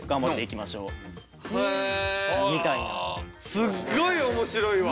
すっごい面白いわ。